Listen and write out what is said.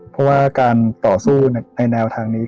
เพราะว่าการต่อสู้ในแนวทางนี้